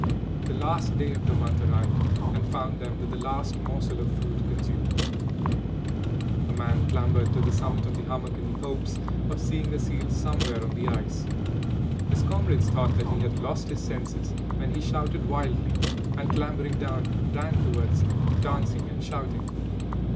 The last day of the month arrived and found them with the last morsel of food consumed. A man clambered to the summit of the hummock in the hopes of seeing a seal somewhere on the ice. His comrades thought that he had lost his senses when he shouted wildly and, clambering down, ran towards them, dancing and shouting.